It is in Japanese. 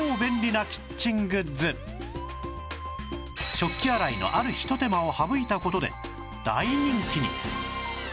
食器洗いのあるひと手間を省いた事で大人気に